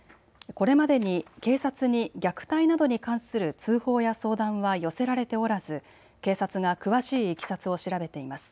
これまでに警察に虐待などに関する通報や相談は寄せられておらず、警察が詳しいいきさつを調べています。